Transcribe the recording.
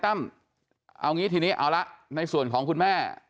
ตั้มเอางี้ทีนี้เอาละในส่วนของคุณแม่